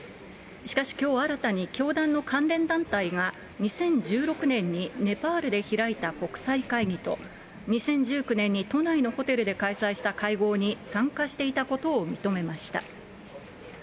しかしきょう、新たに教団の関連団体が、２０１６年にネパールで開いた国際会議と、２０１９年に都内のホテルで開催した会合に参加していたことを認めました。